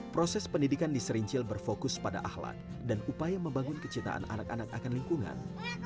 proses pendidikan di serincil berfokus pada ahlak dan upaya membangun kecintaan anak anak akan lingkungan